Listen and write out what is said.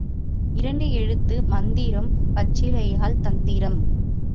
இரண்டு எழுத்து மந்திரம், பச்சிலையால் தந்திரம்.